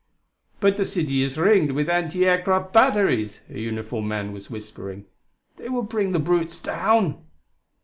"But the city is ringed with anti aircraft batteries," a uniformed man was whispering. "They will bring the brutes down."